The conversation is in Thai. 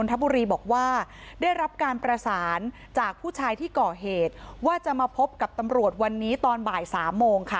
บอกว่าได้รับการประสานจากผู้ชายที่ก่อเหตุว่าจะมาพบกับตำรวจวันนี้ตอนบ่าย๓โมงค่ะ